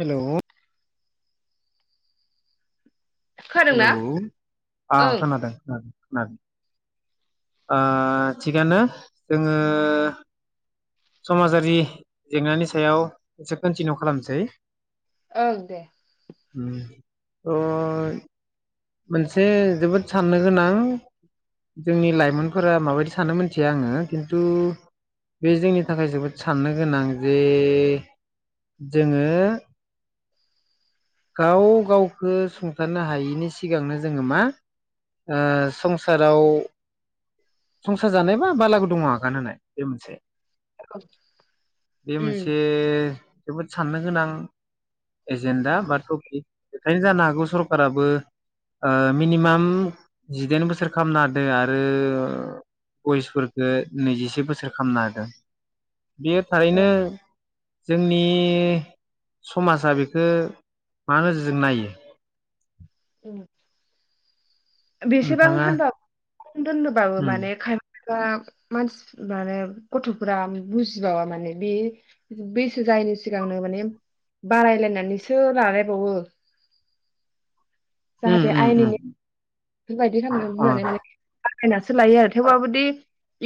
हेल' हेल' खोनादोंना आं ओं खोनादों ओ थिगानो जोङो समाजारि जेंनानि सायाव एसे कन्टिनिउ खालामनोसै ओं दे अ' मोनसे जोबोद साननो गोनां जोंनि लाइमोनफोरा माबायदि साननो मोनथिया आङो खिन्थु बे जोंनि थाखाय जोबोद साननो गोनां जे जोङो गाव गावखौ सुंथानो हायिनि सिगां सिगांनो जोङो मा संसाराव संसार जानाय बा बाला गुदुङाव आगान होननाय बे मोनसे ओं बे मोनसे जोबोद साननो गोनां एजेन्डा बा टपिक बेखायनो जानो हागौ सरकाबो मिनिमाम जिदाइन बोसोर खालामामना होादों आरो बयसखो नैजिसे बोसोर खालामामनो हादों बेयो थारैनो जोंनि समाजा बेखौ मा नोजोरजों नायो उम बेसेबां नोंथाङा होनबाव दोननोबाबो उम माने दा मानसि मान गथ'फोरा बुजिबावा माने बे बैसो जायैनि सिगांनो माने बारायलायनानैसो लालायबावो जाहाथे उम उम उम आयेननि बे बायदि खालामनानै अ होननानै माने [inaudible] सोलायो आरो थेवबाबोदि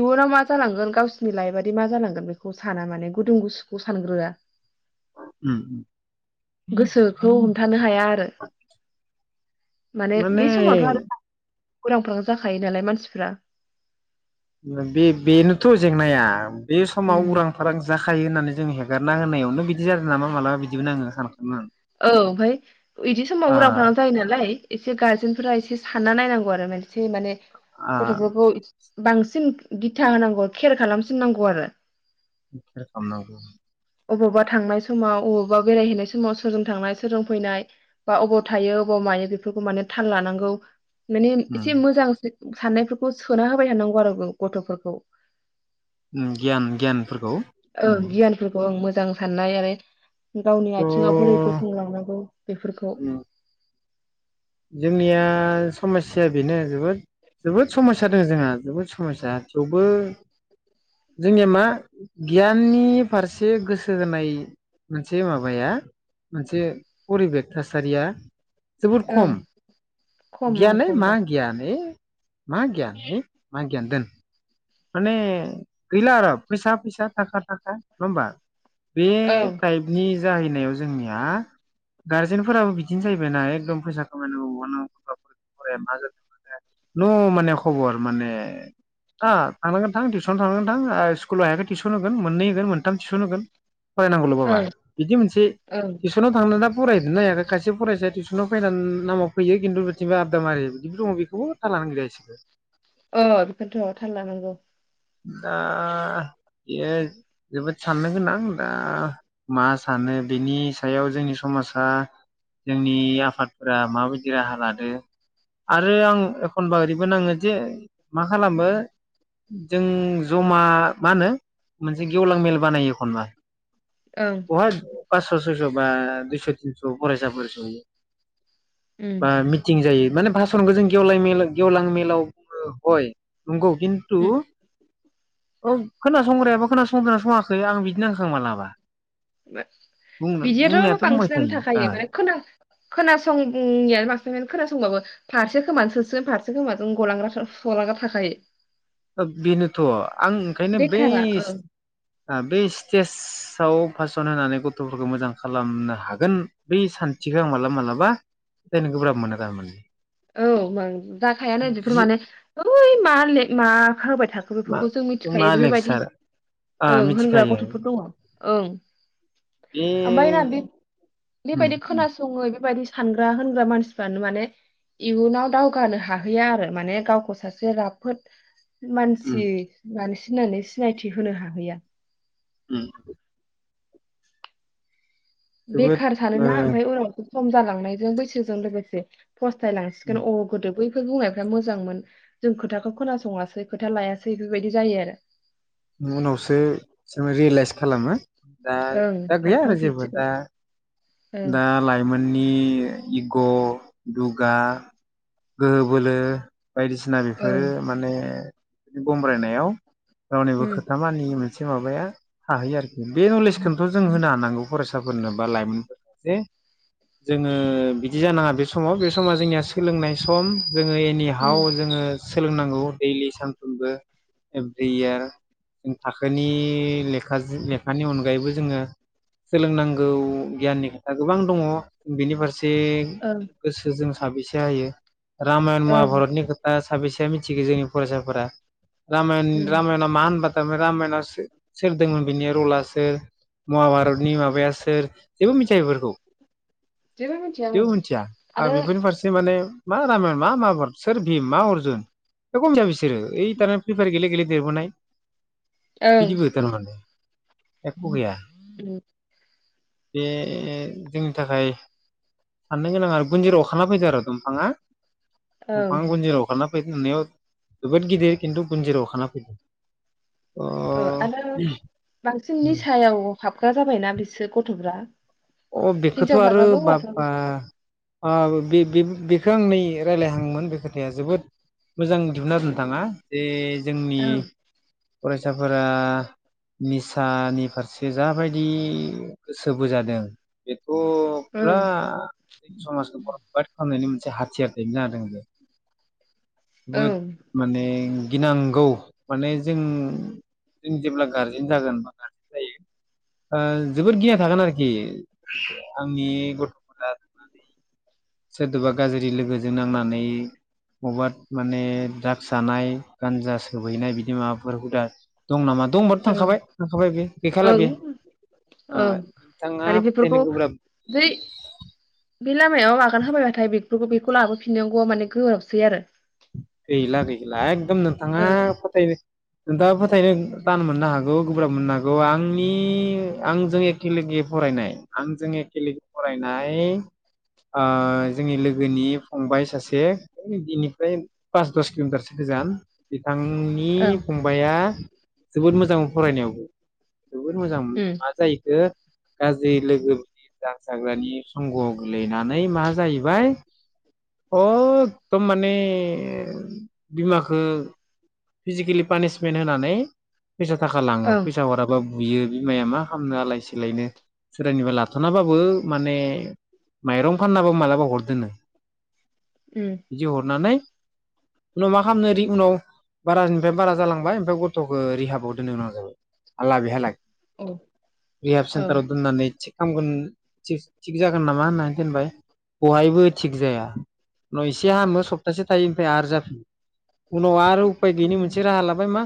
इयुनाव मा जालांगोन गावसिनिरनि लाइफि माबादि मा जालांगोन बेखौ साना माने गुदुं गुसुखौ सानग्रोआ उम गोसोखौ हमथानो हाया आरो माने उरांफारां जाखायो नालाय मानसिफ्रा बे बेनोथ' जेंनाया बे समाव उम उरां फारां जाखायो होननानै जों हेगारना होनायावनो बिदि जादों नामा मालाबा बिदिबो नाङो सानखाङो आं। औ ओमफाय इदि समाव उरां आं फारां जायो नालाय एसे गार्जेन फोर एसे सानना नायनांगौ आरो मोनसे माने आ गथ'फोरखौ इथ बांसिन दिथा होनांगौ खेर खालामसिनांगौ आरो। खेर खालामनांगौ उम अबावबा थांनाय समाव अबावबा बेरायहैनाय समाव सोरजों थांनाय सोरजों फैनाय बा अबाव थायो अबाव मायो बेफोरखौ माने थाल लानांगौ। माने एसे मोजांसो साननायफोरखौ सोना होबाय थानांगौ आरो ग-गथ'फोरखौ। उम गियान गियानफोरखौ ओं उम गियानफोरखौ ओं मोजां साननाय आरो गावनि थ' आथिङाव बोरै गसंलांनांगौ बेफोरखौ जोंनिया समस्या बेनो जोबोद जोबोद समस्या दोङो जोंहा जोबोद समस्या थेवबो जोंनिया मा गियाननि फारसे गोसो होनाय मोनसे माबाया मोनसे परिबेक थासारिया जोबो ओं खम ओं ग्यान ओइ खम मा दा गियान ओइ मा गियान ओइ मा गियान दोन माने गैला आरो फैसा फैसा थाखा थाखा नङा होमबा। बे ओं टाइपनि जाहैनायाव जोंनिया गारजेनफोराबो बिदिनो जाहैबायना एकदम फैसा खामायनांगौ [inaudible] नु माने खबर माने आ थानांगोन थां टिउसनाव थनांगोन थांं स्कुलाव हायाखै टिउसन होगोन मोननै होगोन मोनथाम टिउसन होगोन फरायनांगौल' बाबा ओं बिदि मोनसे ओं टिउसनाव थांनादों दा फराय नायाखै खायसे फरायसाया टिउसनाव फैनान नामाव फैयो खिन्थु बिथिबा आदामारि बिदिबो दङ बेखौबो था लानो गिया इसिबो। अ बेखौनोथ' थाल लानांगौ। दा बेयो जोबोद साननो गोनां दा मा सानो बेनि सायाव जोंनि समासा जोंनि आफादफोरा माबायदि राहा लादो आरो आं एखनबा ओरैबो नाङो जे मा खालामो जों जमा मा होनो मोनसे गेवलां मेल बानायो एखनबा। ओं [unintelligible] पासस' सयस' बा दुस' तिनस' फरायसाफोर जयो उम बा मिटिं जायो। माने भासनखौ जों गेवलाय मेल गेवलां मेलाव बुङो हय। नंगौ खिनथु औ खोना संग्रायाबो खोनासंदोंना सङा खो आं बिदि होखां मालाबा बुंनो [unintelligible] बिदियाथ' बुंनायाथ' बुंबाय बांसिनानो थायो थाखायो माने ओ ख खोनासंनायानो बांसिन खोनासंबाबो फारसे खोमासोसो फारसे खोमा जों गलांग्रा गलांग्रा थाखायो। बेनोथ' आं ओंखायनो बै बेखारा औ बै स्टेजाव पास्न होनानै गथ'फोरखौ मोजां खालामनो हागोन बै सान्थिखौ आं मालाबा मालाबा फोथायनो गोब्राब मोनो थारमाने। औ जाखायानो बिफोर जि माने [unintelligible] थाख होबाय थाखो मा बेफोरखौ जों मिथिखायो मा बेफोरबायदि लेक्सार आ ओं होनग्रा मिथिखायो गथ'फोर दङ। ओं बे ओमफ्राय ना बे- उम बेबायदि उम खोनासङो बेबायदि सानग्रा होनग्रा मानसिफ्रानो माने इयुनाव दावगानो हाहैया आरो माने गावखौ सासे राफोद उम मानसि मानसि नानै थिनानै सिनायथि होनो हाहैया उम जोबोद बेखार थादों ओ ना ओमफाय उनाव खम जालांनायजों बैसोजों लोगोसे फस्थायलांसिगोन अ गोदो बै फोर बुंनायफ्रा मोजांमोन मोन जों खोथाखौ खोनासङासै खोथा लायासै बेफोरबायदि जायो आरो। उनावसो जों रिलाइस खालामो दा ओं दा गैया आरो जेबो सानखांफिनसिगोन दा ओं दा लाइमोननि इग' दुगा गोहो बोलो बायदिसिना ओं बेफोरो माने बि गमब्रायनायाव रावनिबो उम खोथा मानियोमोन। मोनसे माबाया थाहै आरोखि बे नलेजखोनथ' जों होनो हानांगौ फरायसा फोरनो बा लाइमोनफोर जे जोङो बिदि जानाङा बे समाव बे समा जोंनिया सोलोंनाय सम। जोङो एनिहाव उम जोङो सोलोंनांगौ दैलि सानफ्रोमबो एब्रि इयार जों थाखोनि लेखाज लेखानि अनगायैबो जोङो सोलोंनांगौ गियाननि दा गोबां दङ बेनि फारसे जे ओं गोसोजों साबेसे हायो? रामायन ओं महाभारतनि खोथा साबेसेया मिथिगो जोंनि फरायसाफोरा रामाय उम रामायना मा होनबाथा रामायना सोरदोंमोन बेनि रला सोर महाभारतनि माबाया सोर जेबो मिथिया एफोरखौ औ जेबो मिथिया आङो जेबो मिथिया आं आरो बेफोरनि फारसे माने मा रामायन मा माबार सोर भिम मा अर्जुन एक मिथिया बिसोर रो ओय दाना फ्रि फायार गेले गेले देरबोनाय ओं बिदि बैथान माने एख' गैया उम बे जोंनि थाखाय साननो गोनां आरो गुनजिर अरखाना फैदो आरो दंफाङा ओं दफां गुनजेर अरखाना फैनायाव जोबोद गिदिर खिन्थु गुन्जिराव अखाना फैदों अ आरो बांसिन निसायाव हाबग्रा जाबायना बिसोर गथ'फ्रा अ बेखौथ' आरो हिनजावसाबाबो हौवासाबाबो बाबा आ बेखौ आं नै रायज्लायहांमोन बे खोथाया जोबोद मोजां दिहुना होदोंथाङा जे जोंनि ओं फरायसाफोरा निसानि फारसे जाबायदि गोसो बोजादों [inaudible] फुरा ओं समाज बरबाद खालामनायनि मोनसे एसे हाथियार दैनो ज जादों बहुद ओं माने गिनांगौ माने जों जों जेब्ला गारजेन जागोन बा गारजेन जायो ओ जोबोर गिना थागोन आरोखि आंनि गथ'फोरा थांनानै सोरदोबा गाज्रि लोगोजों नांनानै बबेबा माने द्रागस जानाय गान्जा सोबहैनाय बिदि माबाफोर हुदा दं नामा दंबाथ' ओं थांखाबाय थांखाबाय बे गैखाला बेयो ओं ओ ओं नोंथाङा माने बेफोरखौ फोथायनो गोब्राब जै बे लामायाव आगान होबायबाथाय बेफोरखौ बेखौ लाबोफिननांगौआ माने गोरोबसै आरो [unintelligible] [unintelligible] थाङा ओं फोथायनो नोंथाङा दा फोथायनो थान मोननो हागौ गोब्राब मोननो हागौ आंनि आंजों एखेगे फरायनाय आंजों एखगे फरायनाय ओ जोंनि लोगोनि फंबाय सासेनि पास दस किल'मिटारसो गोजान आंनि ओं फंबाया जोबोद मोजां फरायनायावबो जोबोर मोजां उम मा जाहैखो गाज्रि लोगो बिदि द्रागस जाग्रानि संग गोलैनानै मा जाहैबाय अकदम माने बिमाखो फिजिकेलि पानिसमेन्ट होनानै फैसा थाखा लाङो ओं फैसा हराबा बु बुयो बिमाया मा खालामनो आलाय सिलायनो सोरनिफ्राय लाथनाबाबो माने माइरं फाननाबो मालाबा हरदोनो उम बिदि हरनानै उनाव मा खालामनो रि उनाव बारानिफ्राय बारा जालांबाय ओमफ्राय गथखौ रिहाबाव दोननो गोनां जाबाय आला बेहालागै औ रिहाब औ सेनटाराव दोननानै हामगोन थिग जागोन नामा होननानै दोनबाय बहायबो थिग जाया उनाव एसे हामो सप्तासे थायो आरो जाफिनो उनाव आरो उफाय गैयिनि मोनसे उम राहा लाबाय मा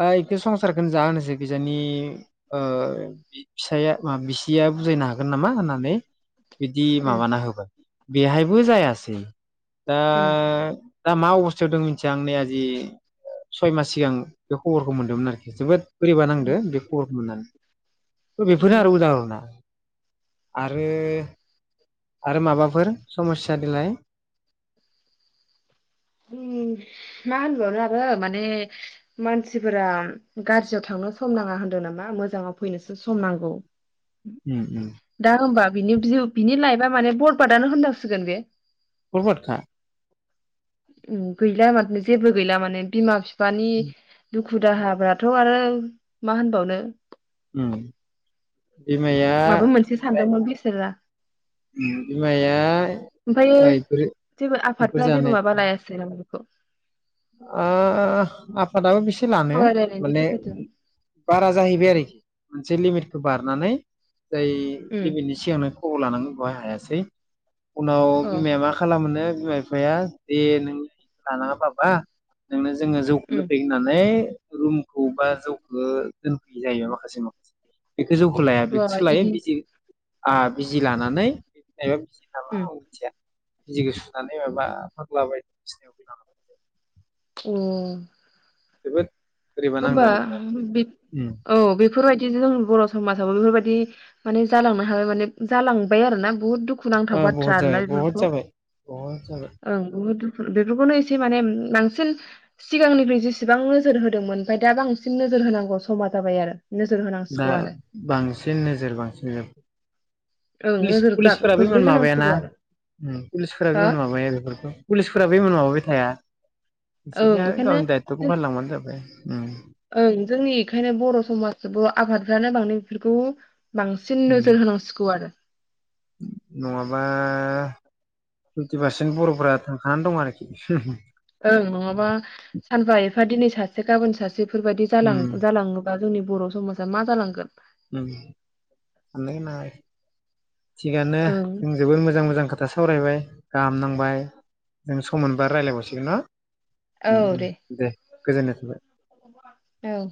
ओइ संसारखौनो जा होनोसै किजानि फिसाया बिसिया बुजायनो हागोन नामा होननानै बिदि उम माबाना होबाय बेहायबो जायासै उम दा दा मा अबस्थायाव दों मिथिया आं नै आजि सय मास सिगां बे खबरखौ मोनदोंमोन आरोखि जोबोद बोरैबा नांदो बे खबरखौ मोननानै थ बेफोरनो आरो उम उदाहरना आरो आरो माबाफोर समस्या देलाय मा होनबावनो आरो माने मानसिफोरा गाज्रियाव थांनो सम नाङा होनदों नामा मोजाङाव फैनोसो सम नांगौ उम उम दा होनबा बिनि बिनि लाइफ दा माने बरबादानो होनजासिगोन बे बरबादखा उम गैला माथो जेबो गैला माने बिमा बिफा नि दुखु दुखु दाहाबाथ' आरो मा होनबावनो उम बिमाया माबा मोनसे बिमा सानदोंमोन बेसोरा बिमाया ओमफ्रायो ओइ बेफोर बेफोर जानाय खौ ओआफादाबो बेसे लानो सावरायलायनायनि माने गेजेरजों बारा जाहैबाय आरोखि मोनसे लिमिटखौ बारनानै जाय उम लेभेलनि सिगांनो खबर लानांगौ हायासै उनाव अ बिमाया मा खालामनो बिमा बिफाया दे नों लानाङा बाबा [unintelligible] जोङो जौखौनो उम फेयो होननानै रुमखौ बा जौखौ दोनफैयो जायो माखासे माखासे बेखौ जौखौ लाया र' बेखौसो लायो इदि बिजि आ बिजि लानानै मायबा बिजि नामा उम आं मिथिया बिजिखौ सुनानै माबा फाग्ला बायदिसिनायाव लां उम जोबोद बोरैबा होमबा नांदों आरोखि बे उम औ बेफोरबाय दि जों बर' समाजावबो बेफोरबायदि माने जालांनो हाबाय माने जालांबाय आरो ना बुहुत दुखु दुखुनांथाव ओ बाथ्रा बहुद आरोना जाबाय बहुद बेफोरखौ जाबाय बहुद जाबाय ओं बुहुद बेफोरखौनो एसे माने बांसिन सिगांनिख्रुइ जेसेबां नोजोर होदोंमोन ओमफ्राय दा बांसिन नोजोर होनांगौ समा जाबाय आरो नोजोर दा होनांसिगौ आरो बांसिन नोजोर बांसिन जोब ओं पुलिस नोजोर गा- पुलिसफोराबो इमान माबायाना गोग्लैहोनांसिगौ आरो उ पुलिसफोराबो हो इमान माबाया बेफोरखौ पुलिसफोराबो बै मोन माबाबाय थाया ओं बिसोरनिया बेखायनो गावनि दायथ'खौ जों फालिलांबानो जाबाय उम ओं जोंनि बेखायनो बर' समाज सुबुंङा आबादफ्रानो बांदों बेफोरखौ बांसिन उम नोजोर होनांसिगौ आरो नङाबा फिफ्टि पारसेन्ट बर'फ्रा थांखानानै दं आरोखि हुम हुम ओं नङाबा सानफा एफा दिनै सासे गाबोन सासे बेफोरबायदि जालां उम जालाङोबा जोंनि बर' समाजा मा जालांगोन उय साननो‌गोनां आरो थिगानो ओं जों जोबोर मोजां मोजां खो था सावरायबाय गाहाम नांबाय जों सम मोनबा रायलायबावसिगोन ना उम उम दे गोजोननाय थाबाय औ